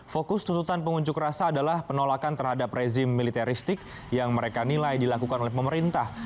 fokus tuntutan pengunjuk rasa adalah penolakan terhadap rezim militeristik yang mereka nilai dilakukan oleh pemerintah